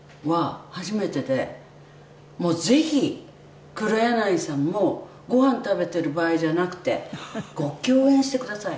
「もうぜひ黒柳さんもご飯食べてる場合じゃなくてご共演してください」